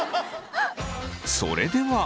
それでは。